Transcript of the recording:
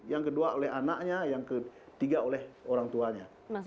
yang kedua oleh anaknya yang ketiga oleh orang tuanya